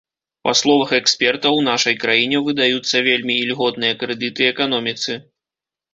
Па словах эксперта, у нашай краіне выдаюцца вельмі ільготныя крэдыты эканоміцы.